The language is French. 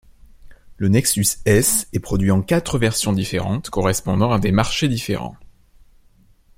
Le Nexus S est produit en quatre versions différentes correspondant à des marchés différents.